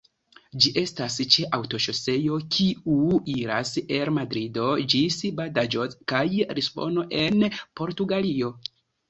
Ĝi estas ĉe aŭtoŝoseo kiu iras el Madrido ĝis Badajoz kaj Lisbono, en Portugalio.